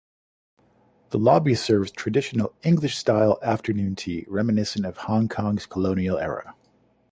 The Lobby serves traditional English-style Afternoon Tea, reminiscent of Hong Kong's colonial era.